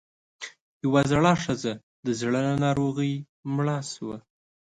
يوه زړه ښځۀ د زړۀ له ناروغۍ مړه شوه